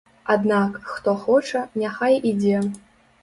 Аднак, хто хоча, няхай ідзе.